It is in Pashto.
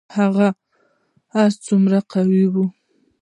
که هغه هر څومره قوي وي